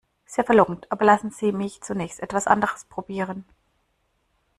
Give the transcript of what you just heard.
Sehr verlockend, aber lassen Sie mich zunächst etwas anderes probieren.